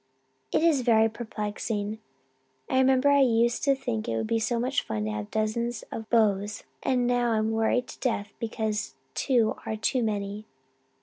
It is very perplexing. I remember I used to think it would be such fun to have dozens of beaux and now I'm worried to death because two are too many.